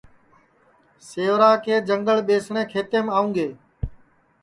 سیوراکے جنگݪ ٻیسٹؔیں کھیتینٚم آؤں گے